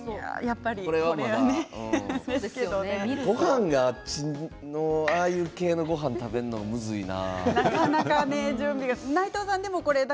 これはまだごはんがああいう系のごはん食べるのむずいな。